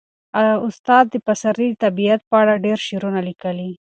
استاد پسرلي د طبیعت په اړه ډېر شعرونه لیکلي.